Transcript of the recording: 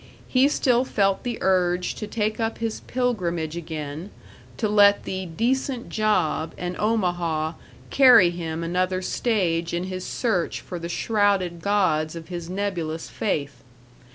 He still felt the urge to take up his pilgrimage again, to let the "decent job" and Omaha carry him another stage in his search for the shrouded gods of his nebulous faith.